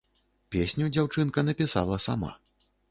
Песню дзяўчынка напісала сама.